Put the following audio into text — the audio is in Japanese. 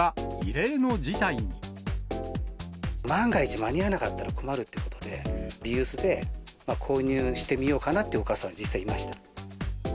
万が一、間に合わなかったら困るっていうことで、リユースで購入してみようかなってお母さん、実際いました。